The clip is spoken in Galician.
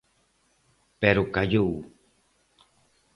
Pero callou.